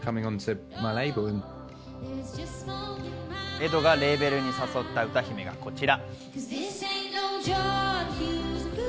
エドがレーベルに誘った歌姫がこちら。